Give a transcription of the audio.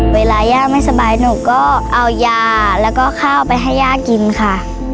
เวลาย่าไม่สบายหนูก็เอายาแล้วก็ข้าวไปให้ย่ากินค่ะ